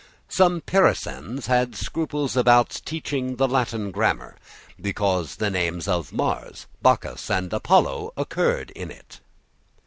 Some precisians had scruples about teaching the Latin grammar, because the names of Mars, Bacchus, and Apollo occurred in it.